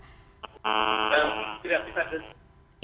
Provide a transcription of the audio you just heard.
saya tidak bisa dengar